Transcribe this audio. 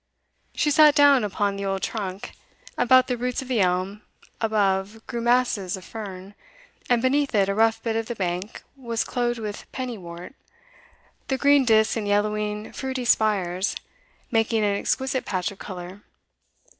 She sat down upon the old trunk. About the roots of the elm above grew masses of fern, and beneath it a rough bit of the bank was clothed with pennywort, the green discs and yellowing fruity spires making an exquisite patch of colour.